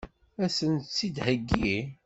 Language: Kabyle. Ad sen-tt-id-theggi?